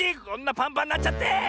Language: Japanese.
こんなパンパンなっちゃって！